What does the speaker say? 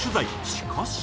しかし